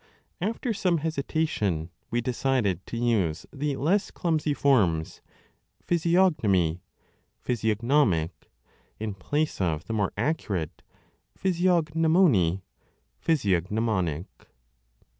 After some hesitation we decided to use the less clumsy forms Physiognomy , physiognomic , in place of the more accurate Physiognomony , physiognomonic